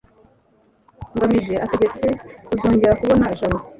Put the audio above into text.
ngamije ategereje kuzongera kubona jabo